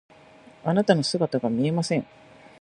あなたの姿が見えません。